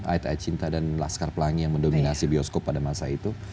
ayat ayat cinta dan laskar pelangi yang mendominasi bioskop pada masa itu